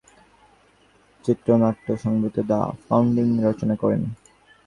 তিনি পিকফোর্ডের জন্য মৌলিক চিত্রনাট্য সংবলিত দ্য ফাউন্ডিং রচনা করেন।